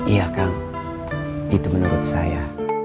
iya kang itu menurut saya